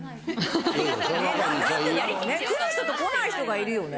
来る人と来ない人がいるよね？